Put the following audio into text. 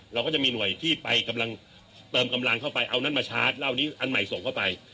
เราก็จะมีหน่วยที่ไปกำลังเติมกำลังเข้าไปเอานั้นมาชาร์จเล่านี้อันใหม่ส่งเข้าไป